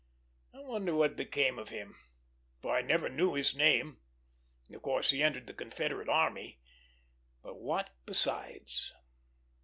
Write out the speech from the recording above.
I wonder what became of him, for I never knew his name. Of course he entered the Confederate army; but what besides?